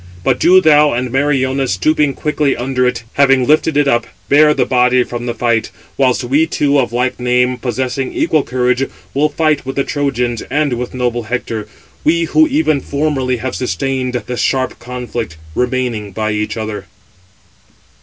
But do thou, and Meriones, stooping quickly under it, having lifted it up, bear the body from the fight; whilst we two of like name, possessing equal courage, will fight with the Trojans and with noble Hector, we who even formerly have sustained the sharp conflict, remaining by each other."